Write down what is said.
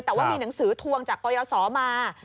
แต่ว่ามีหนังสือทวงจากกรยศมา